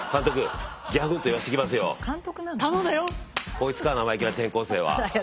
こいつか生意気な転校生は。